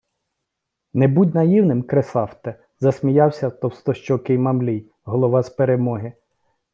- Не будь наївним, Кресафте, засміявся товстощокий Мамлій, голова з "Перемоги".